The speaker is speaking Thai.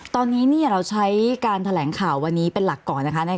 ตอนนี้เราใช้การแถลงข่าววันนี้เป็นหลักก่อนนะคะ